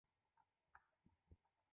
符号货币的发行无须黄金保证。